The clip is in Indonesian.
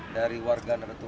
dari warga dan retur